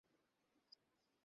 উতলা হয়ো না।